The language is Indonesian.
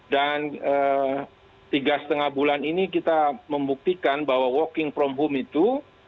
dan tiga lima bulan ini kita membuktikan bahwa walking from home itu